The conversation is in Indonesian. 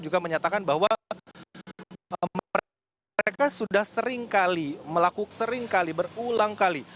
juga menyatakan bahwa mereka sudah seringkali melakukan seringkali berulang kali